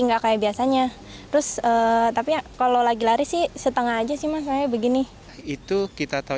enggak kayak biasanya terus tapi kalau lagi lari sih setengah aja sih mas saya begini itu kita tahu